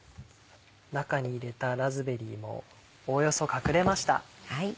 中に入れたラズベリーもおおよそ隠れました。